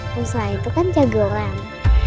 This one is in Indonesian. musa itu kan jago orang